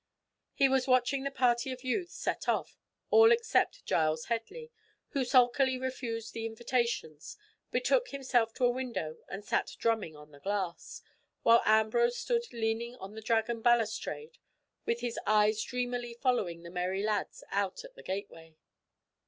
He was watching the party of youths set off, all except Giles Headley, who sulkily refused the invitations, betook himself to a window and sat drumming on the glass, while Ambrose stood leaning on the dragon balustrade, with his eyes dreamily following the merry lads out at the gateway.